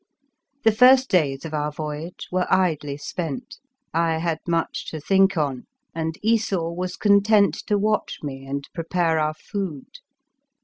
The first days of our voyage were idly spent ; I had much to think on, and Esau was content to watch me and prepare our food.